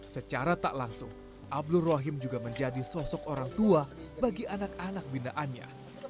secara tak langsung abdul rahim juga menjadi sosok orang tua bagi anak anak binaannya